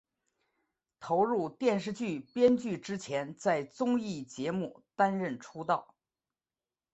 投入电视剧编剧之前在综艺节目担任出道。